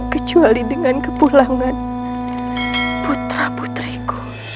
kecuali dengan kepulangan putra putriku